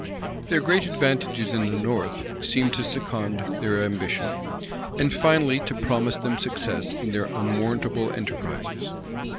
Their great advantages in the north seemed to second their ambition, and finally to promise them success in their unwarrantable enterprises.